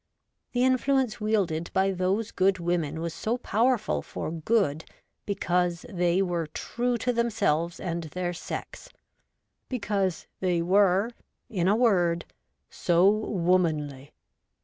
The influence wielded by those good women was so powerful for good because they were true WOMAN UP TO DATE. ii to themselves and their sex ; because they were, in a word, so womanly.